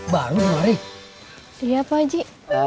baru dimari iya pak haji